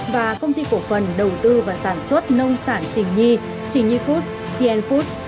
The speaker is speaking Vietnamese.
và công ty cổ phần đầu tư và sản xuất nông sản trình nhi trình nhi foods tien foods